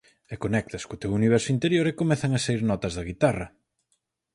E conectas co teu universo interior e comezan a saír notas da guitarra.